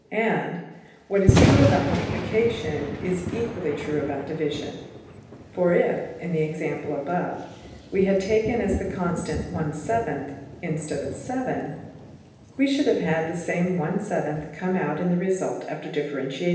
And, what is true about multiplication is equally true about \emph{division}: for if, in the example above, we had taken as the constant~$\frac$ instead of~$7$, we should have had the same~$\frac$ come out in the result after differentiation.